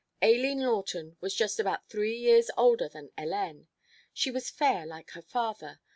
Aileen Lawton was just about three years older than Hélène. She was fair like her father.